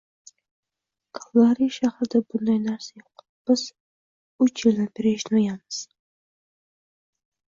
Kalgari shahrida bunday narsa yo'q, biz uch yildan beri eshitmaganmiz